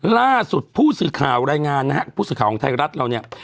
ล่าสุดผู้สื่อข่าวรายงานนะฮะผู้สื่อข่าวของไทยรัฐเราเนี่ย